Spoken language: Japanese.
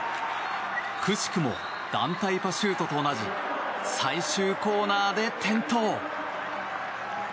くしくも団体パシュートと同じ最終コーナーで転倒。